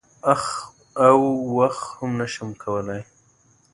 اخ او واخ هم نه شم کولای.